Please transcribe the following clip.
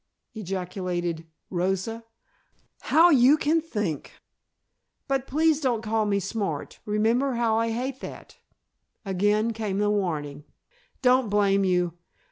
ejaculated Rosa. "How you can think!" "But please don't call me smart, remember how I hate that," again came the warning. "Don't blame you.